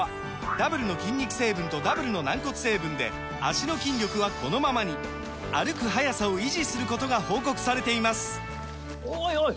ダブルの筋肉成分とダブルの軟骨成分で脚の筋力はこのままに歩く速さを維持することが報告されていますおいおい！